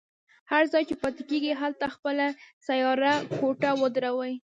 هر ځای چې پاتې کېږي هلته خپله سیاره کوټه ودروي.